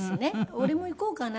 「俺も行こうかな」